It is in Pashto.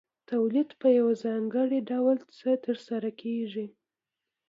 تولید په یو ځانګړي ډول ترسره کېږي